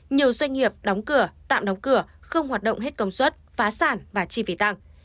nhiều doanh nghiệp đóng cửa tạm đóng cửa không hoạt động hết công suất phá sản và chi phí tăng